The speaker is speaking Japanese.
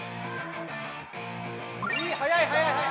速い速い速い！